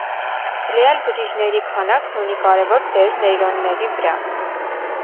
Գլիալ բջիջների քանակն ունի կարևոր դեր նեյրոնների վրա։